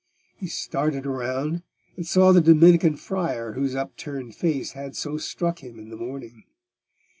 He started round, and saw the Dominican friar whose upturned face had so struck him in the morning.